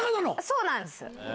そうなんです。